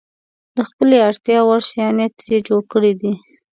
د خپلې اړتیا وړ شیان یې ترې جوړ کړي دي.